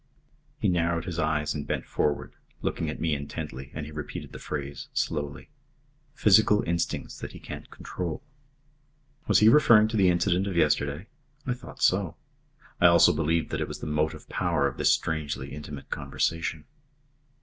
He narrowed his eyes and bent forward, looking at me intently, and he repeated the phrase slowly "Physical instincts that he can't control " Was he referring to the incident of yesterday? I thought so. I also believed it was the motive power of this strangely intimate conversation.